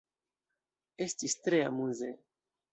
Estis tre amuze!